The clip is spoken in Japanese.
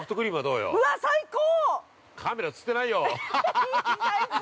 ◆うわっ、最高！